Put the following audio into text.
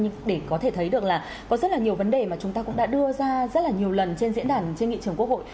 nhưng để có thể thấy được là có rất là nhiều vấn đề mà chúng ta cũng đã đưa ra rất là nhiều lần trên diễn đàn trên nghị trường quốc hội